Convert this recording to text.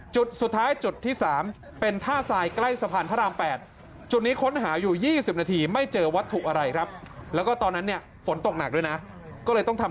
จุดสุดท้ายจุดที่๓เป็นท่าทรายใกล้สะพานทหาราม๘